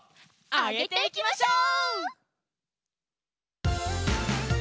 あげていきましょう！